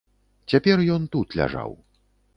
Цяпер ён тут ляжаў.